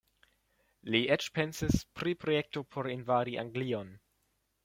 Li eĉ pensis pri projekto por invadi Anglion.